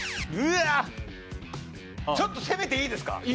ちょっと攻めていいですか？